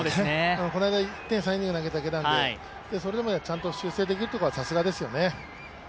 この間、３イニングだけ投げただけなので、それでもちゃんとできるところはさすがですよね。